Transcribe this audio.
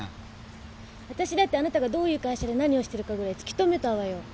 あたしだってあなたがどういう会社で何をしてるかぐらい突き止めたわよ。